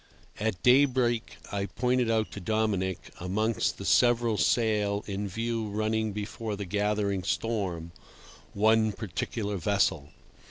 At daybreak I pointed out to Dominic, amongst the several sail in view running before the gathering storm, one particular vessel.